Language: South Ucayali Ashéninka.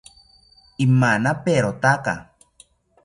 Imanaperotaka